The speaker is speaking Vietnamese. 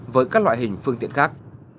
với các loại hình phương tiện khác